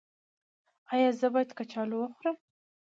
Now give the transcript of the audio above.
ایا زه باید کچالو وخورم؟